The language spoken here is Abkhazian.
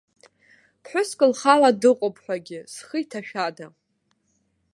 Ԥҳәыск лхала дыҟоуп ҳәагьы зхы иҭашәада.